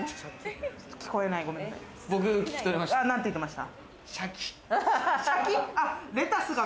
僕、聞き取れました。